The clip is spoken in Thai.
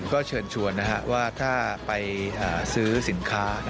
ก็เชิญชวนว่าถ้าไปซื้อสินค้า